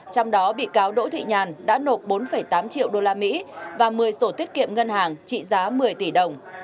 trong đó bị cáo đỗ thị nhàn đã nộp bốn tám triệu đô la mỹ và một mươi sổ tiết kiệm ngân hàng trị giá một mươi tỷ đồng